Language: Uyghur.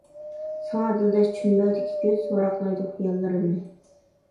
ساڭا دىلداش چۈمبەلدىكى كۆز، ۋاراقلايدۇ خىياللىرىمنى.